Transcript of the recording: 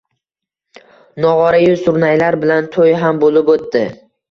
Nog`ora-yu, surnaylar bilan to`y ham bo`lib o`tdi